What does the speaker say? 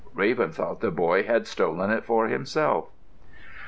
Raven thought the boy had stolen it for himself.